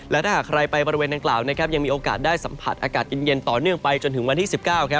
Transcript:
และถ้าหากใครไปบริเวณนางกล่าวยังมีโอกาสได้สัมผัสอากาศเย็นต่อเนื่องไปจนถึงวันที่๑๙